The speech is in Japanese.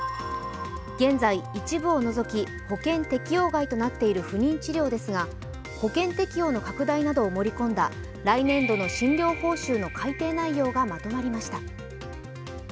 現在、一部を除き保険適用外となっている不妊治療ですが保険適用の拡大などを盛り込んだ来年度の診療報酬の改定内容がまとまりました。